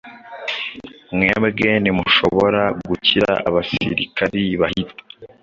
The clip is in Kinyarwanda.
mwebwe ntimushobora gukira abasirikari bahita “